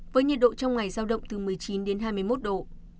với nhiệt độ trong ngày giao động từ một mươi chín đến hai mươi một độ